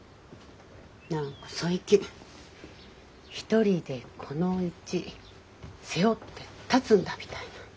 何か最近一人でこのうち背負って立つんだみたいな。